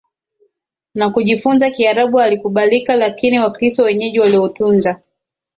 na kujifunza Kiarabu alikubalika lakini Wakristo wenyeji waliotunza